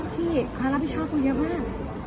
ที่ความรับผิดชอบกูเยอะมาก